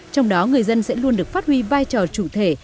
trong đó người dân sẽ luôn được phát huy vai trò chủ thể